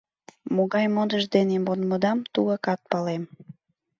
— Могай модыш дене модмыдам тугакат палем...